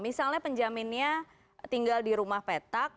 misalnya penjaminnya tinggal di rumah petak